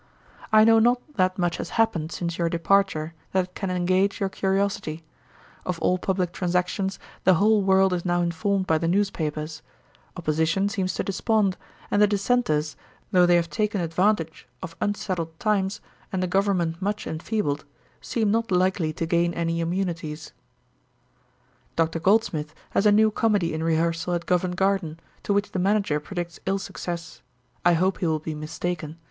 'I know not that much has happened since your departure that can engage your curiosity. Of all publick transactions the whole world is now informed by the newspapers. Opposition seems to despond; and the dissenters, though they have taken advantage of unsettled times, and a government much enfeebled, seem not likely to gain any immunities. 'Dr. Goldsmith has a new comedy in rehearsal at Covent Garden, to which the manager predicts ill success. I hope he will be mistaken.